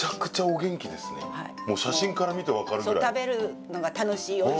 もう写真から見て分かるぐらい。